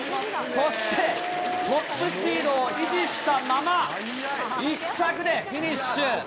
そしてトップスピードを維持したまま、１着でフィニッシュ。